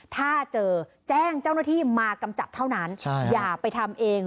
ถ้าเจอแจ้งเจ้าหน้าที่มากำจัดเท่านั้นอย่าไปทำเอง